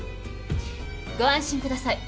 ご安心ください。